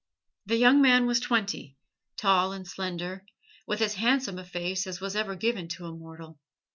The young man was twenty: tall and slender, with as handsome a face as was ever given to mortal.